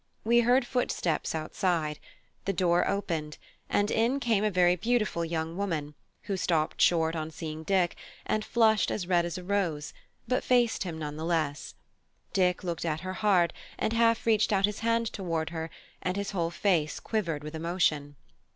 We heard footsteps outside; the door opened, and in came a very beautiful young woman, who stopped short on seeing Dick, and flushed as red as a rose, but faced him nevertheless. Dick looked at her hard, and half reached out his hand toward her, and his whole face quivered with emotion.